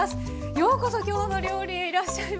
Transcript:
ようこそ「きょうの料理」へいらっしゃいました。